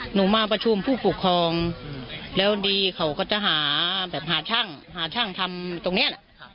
หนูมาประชุมผู้ปกครองแล้วดีเขาก็จะหาแบบหาช่างหาช่างทำตรงนี้แหละ